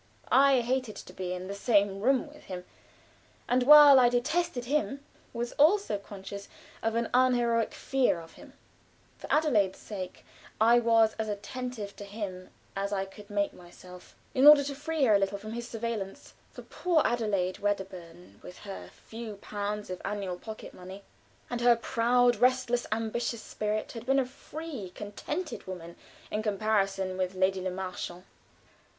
I hated to be in the same room with him, and while I detested him, was also conscious of an unheroic fear of him. For Adelaide's sake I was as attentive to him as I could make myself, in order to free her a little from his surveillance, for poor Adelaide Wedderburn, with her few pounds of annual pocket money, and her proud, restless, ambitious spirit, had been a free, contented woman in comparison with Lady Le Marchant.